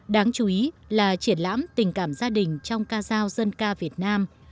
đáng chú ý là triển lãm tình cảm gia đình trong ca giao dân ca việt nam